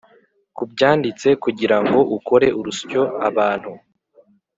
kubyanditse kugirango ukore urusyo abantu.